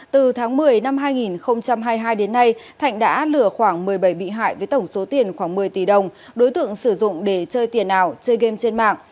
từ tháng một mươi năm hai nghìn hai mươi hai đến nay thạnh đã lừa khoảng một mươi bảy bị hại với tổng số tiền khoảng một mươi tỷ đồng đối tượng sử dụng để chơi tiền ảo chơi game trên mạng